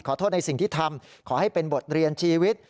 ขอโทษในสิ่งที่ทำขอให้เป็นบทเรียนชีวิต